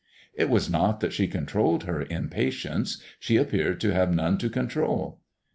It was not that she controlled her impatience ; she appeared to have none to control.